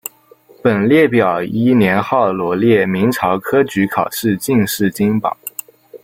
本列表依年号罗列明朝科举考试进士金榜。